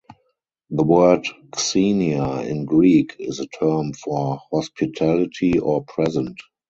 The word Xenia in Greek is a term for hospitality or present.